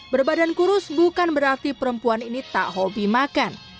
berbadan kurus bukan berarti perempuan ini tak hobi makan